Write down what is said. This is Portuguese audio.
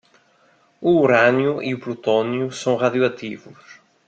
O urânio e o plutônio são radioativos.